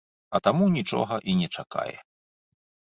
А таму нічога і не чакае.